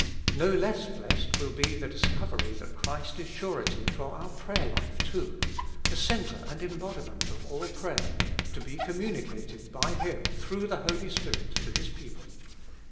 No less blessed will be the discovery that Christ is surety for our prayer life too, the center and em bodiment of all prayer, to be communicated by Him through the Holy Spirit to His people.